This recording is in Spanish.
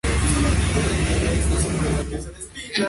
Aunque, más adelante le declara sus sentimientos.